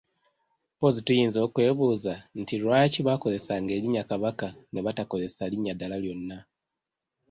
Mpozzi tuyinza okwebuuza nti lwaki baakozesanga erinnya Kabaka ne batakozesa linnya ddala lyonna?